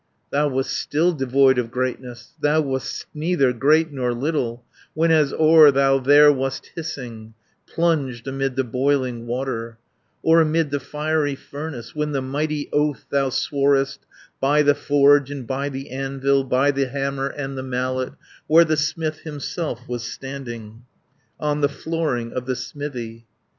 "Thou wast still devoid of greatness, Thou wast neither great nor little, When as ore thou there wast hissing, Plunged amid the boiling water, 310 Or amid the fiery furnace, When the mighty oath thou sworest, By the forge and by the anvil, By the hammer and the mallet, Where the smith himself was standing, On the flooring of the smithy.